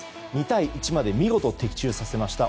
２対１まで見事的中させました